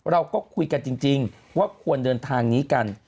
เราก็คุยกันจริงว่าควรเดินทางนี้กัน